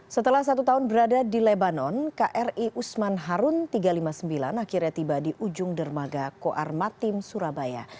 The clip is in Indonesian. setelah satu tahun berada di lebanon kri usman harun tiga ratus lima puluh sembilan akhirnya tiba di ujung dermaga koarmatim surabaya